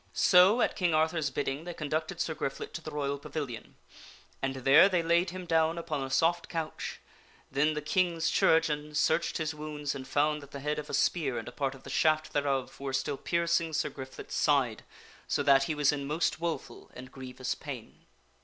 So, at King Arthur's bidding, they conducted Sir Griflet to the Royal Pavilion, and there they laid him down upon a soft couch. Then the King's chirurgeon searched his wounds and found that the head of a spear and a part of the shaft thereof were still piercing Sir Griflet's side, so that he was in most woful and grievous pain.